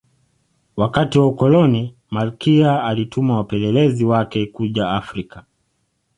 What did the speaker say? wakati wa ukoloni malkia alituma wapelelezi wake kuja afrika